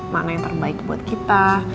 makna yang terbaik buat kita